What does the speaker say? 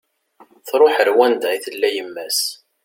Truḥ ar wanda i tella yemma-s